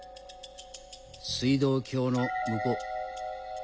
水道橋の向こう。